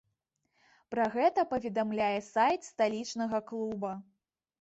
Пра гэта паведамляе сайт сталічнага клуба.